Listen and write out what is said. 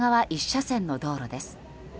１車線の道路です。